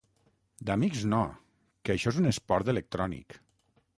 D'amics, no, que això és un esport electrònic!